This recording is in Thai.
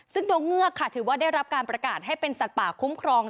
ซึ่งตัวเงือกค่ะถือว่าได้รับการประกาศให้เป็นสัตว์ป่าคุ้มครอง